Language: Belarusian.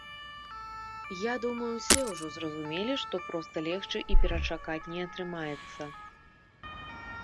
Я думаю, усе ўжо зразумелі, што проста легчы і перачакаць не атрымаецца.